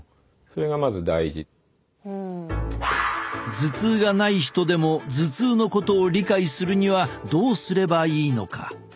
頭痛がない人でも頭痛のことを理解するにはどうすればいいのか。